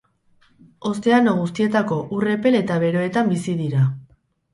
Ozeano guztietako ur epel eta beroetan bizi dira.